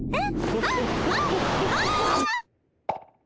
あっ！